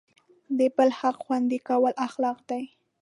د بل حق خوندي کول اخلاق دی.